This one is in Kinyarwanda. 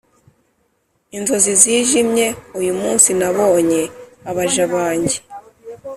inzozi zijimye! uyu munsi nabonye abaja banjye